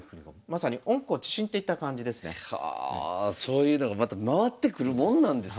まさにそういうのがまた回ってくるもんなんですね。